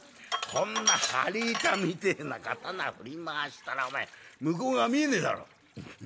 こんな張り板みてえな刀振り回したらお前向こう側見えねえだろ」。